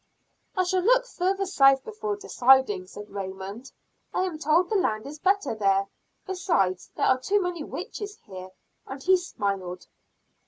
"I shall look farther south before deciding," said Raymond. "I am told the land is better there; besides there are too many witches here," and he smiled.